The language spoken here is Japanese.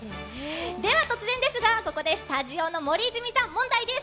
では突然ですが、ここでスタジオの森泉さん、問題です。